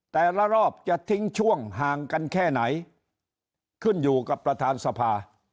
แต่ละรอบจะทิ้งช่วงห่างกันแค่ไหนขึ้นอยู่กับประธานสภา